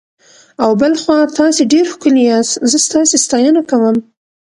او بل خوا تاسي ډېر ښکلي یاست، زه ستاسي ستاینه کوم.